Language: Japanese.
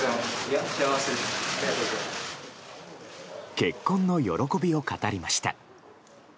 結婚の喜びを語りました。